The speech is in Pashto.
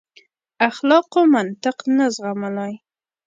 اخلاقو منطق نه زغملای.